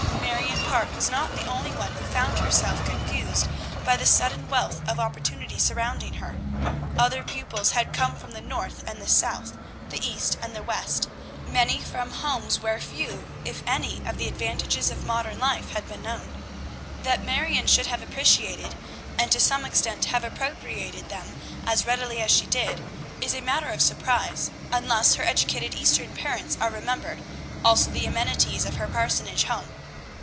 Marion Parke was not the only one who found herself confused by the sudden wealth of opportunity surrounding her. Other pupils had come from the north and the south, the east and the west, many from homes where few, if any, of the advantages of modern life had been known. That Marion should have appreciated, and to some extent have appropriated, them as readily as she did, is a matter of surprise, unless her educated Eastern parents are remembered, also the amenities of her parsonage home.